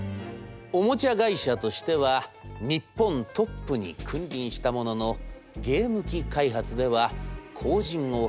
おもちゃ会社としては日本トップに君臨したもののゲーム機開発では後じんを拝しておりました。